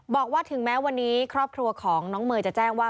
บอกว่าถึงแม้วันนี้ครอบครัวของน้องเมย์จะแจ้งว่า